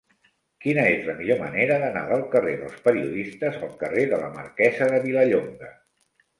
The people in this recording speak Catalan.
Quina és la millor manera d'anar del carrer dels Periodistes al carrer de la Marquesa de Vilallonga?